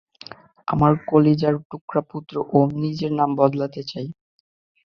আমার কলিজার টুকরা পুত্র ওম, নিজের নাম বদলাতে চায়।